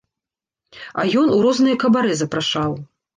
А ён у розныя кабарэ запрашаў.